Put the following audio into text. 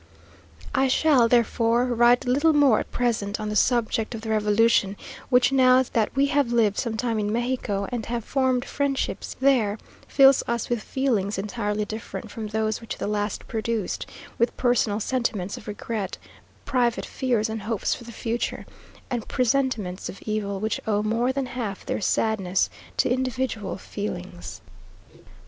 I shall therefore write little more at present on the subject of the revolution, which now that we have lived some time in Mexico, and have formed friendships there, fills us with feelings entirely different from those which the last produced; with personal sentiments of regret, private fears, and hopes for the future, and presentiments of evil which owe more than half their sadness to individual feelings.